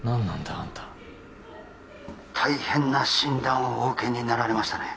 あんた大変な診断をお受けになられましたね